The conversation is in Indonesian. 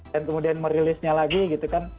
dan kemudian merilisnya lagi gitu kan